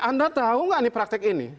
anda tahu nggak nih praktek ini